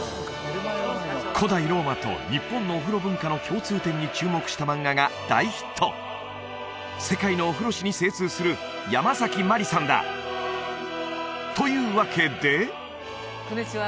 古代ローマと日本のお風呂文化の共通点に注目した漫画が大ヒット世界のお風呂史に精通するヤマザキマリさんだというわけでこんにちは